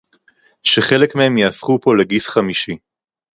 שחלק מהם ייהפכו פה לגיס חמישי